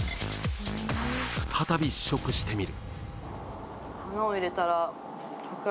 再び試食してみる。